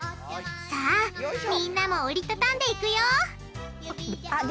さあみんなも折り畳んでいくよ！